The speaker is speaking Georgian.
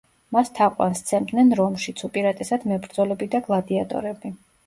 მას თაყვანს სცემდნენ რომშიც, უპირატესად მებრძოლები და გლადიატორები.